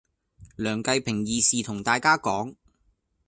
梁繼平義士同大家講